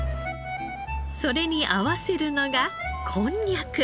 それに合わせるのがこんにゃく。